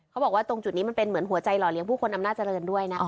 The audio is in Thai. เขาบอกว่าตรงจุดนี้มันเป็นเหมือนหัวใจหล่อเลี้ยงผู้คนอำนาจรรย์ด้วยนะ